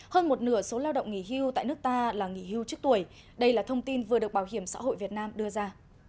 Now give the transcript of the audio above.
hơn một nửa số lao động nghỉ hưu tại nước ta là nghỉ hưu trước tuổi đây là thông tin vừa được bảo hiểm xã hội việt nam đưa ra